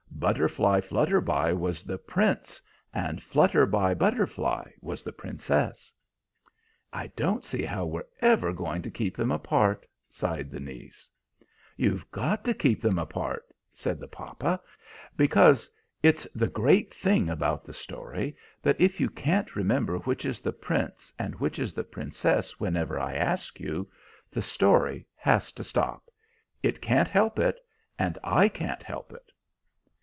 Butterflyflutterby was the Prince and Flutterbybutterfly was the Princess." "I don't see how we're ever going to keep them apart," sighed the niece. "You've got to keep them apart," said the papa. "Because it's the great thing about the story that if you can't remember which is the Prince and which is the Princess whenever I ask you, the story has to stop. It can't help it, and I can't help it."